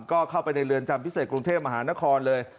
ก็เข้าไปในเรือนจำพิเศษกรุงเทพมหานครเลย